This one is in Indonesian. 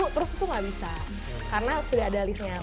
terus itu nggak bisa karena sudah ada liftnya